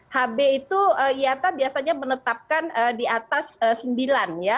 hb itu iata biasanya menetapkan di atas sembilan ya